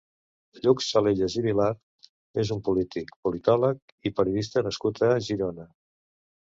Lluc Salellas i Vilar és un polític, politòleg i periodista nascut a Girona.